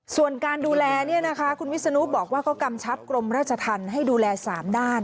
ส่วนการดูแลคุณวิศนุบอกว่าก็กำชับกรมราชธรรมให้ดูแล๓ด้าน